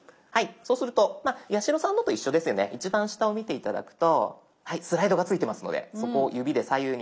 そうすると八代さんのと一緒ですよね一番下を見て頂くとはいスライドがついていますのでそこを指で左右に。